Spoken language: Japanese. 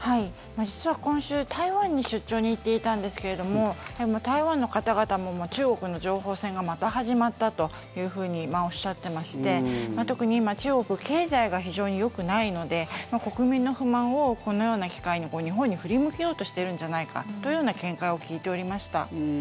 実は今週、台湾に出張に行っていたんですけれども台湾の方々も、中国の情報戦がまた始まったというふうにおっしゃってまして特に今、中国経済が非常によくないので国民の不満をこのような機会に日本に振り向けようとしているんじゃないかという見解を聞いておりました。